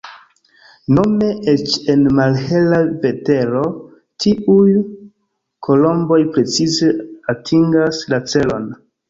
Nome eĉ en malhela vetero tiuj kolomboj precize atingas la celon.